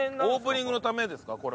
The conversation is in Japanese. オープニングのためですか？